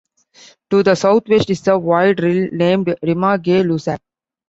To the southwest is a wide rille named Rima Gay-Lussac.